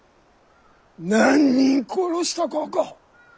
何人殺したかか？